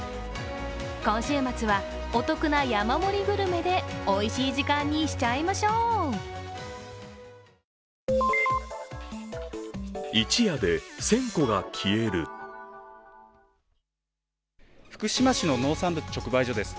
今週末はお得な山盛りグルメでおいしい時間にしちゃいましょう福島市の農産物直売所です。